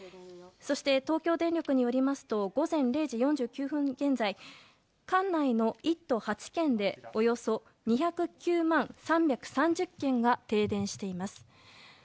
そして、東京電力によりますと午前０時４９分現在管内の１都８県でおよそ２０９万３３０軒が停電しています。